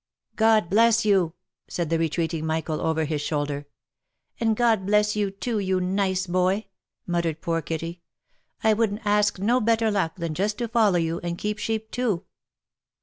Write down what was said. " God bless you !" said the retreating Michael, over his shoulder. " And God bless you, too, you nice boy ! muttered poor Kitty. " I wouldn't ask no better luck, than just to follow you, and keep sheep too."